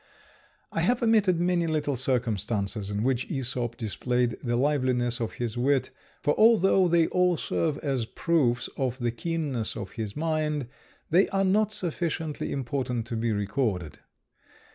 I have omitted many little circumstances in which Æsop displayed the liveliness of his wit; for although they all serve as proofs of the keenness of his mind, they are not sufficiently important to be recorded.